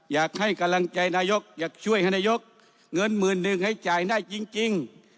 อยากให้กำลังใจนายกอยากช่วยให้นายกเงินหมื่นหนึ่งให้จ่ายได้จริง